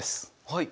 はい。